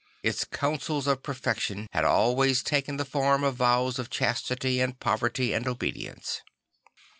Its counsels of perfection had always taken the form of vows of chastity and poverty and obedience.